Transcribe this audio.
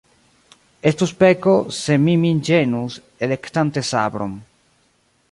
Estus peko, se mi min ĝenus, elektante sabron.